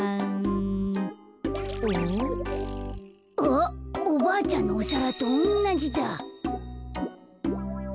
あっおばあちゃんのおさらとおんなじだ。